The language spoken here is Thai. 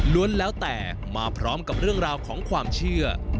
แล้วแต่มาพร้อมกับเรื่องราวของความเชื่อ